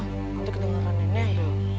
nanti kedengaran nenek yuk